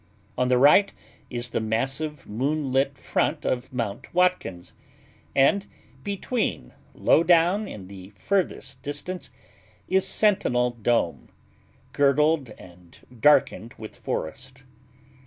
On the right is the massive, moonlit front of Mount Watkins, and between, low down in the furthest distance, is Sentinel Dome, girdled and darkened with forest.